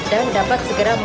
dan dapat segera mengurus